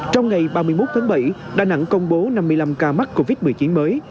trong ngày ba mươi một tháng bảy đà nẵng công bố năm mươi năm ca mắc covid một mươi chín mới